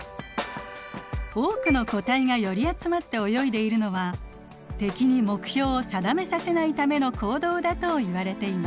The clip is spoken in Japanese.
多くの個体が寄り集まって泳いでいるのは敵に目標を定めさせないための行動だといわれています。